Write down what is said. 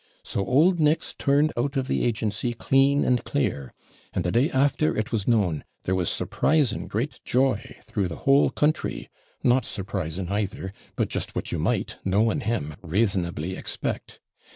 So OULD Nick's turned out of the agency clean and clear; and the day after it was known, there was surprising great joy through the whole country; not surprising either, but just what you might, knowing him, rasonably expect.